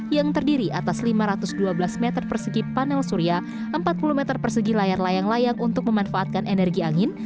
yang terdiri atas lima ratus dua belas meter persegi panel surya empat puluh meter persegi layar layang layang untuk memanfaatkan energi angin